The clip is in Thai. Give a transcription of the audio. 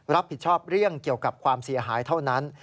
รับผิดชอบเรื่องเกี่ยวกับความเสียหายเท่านั้น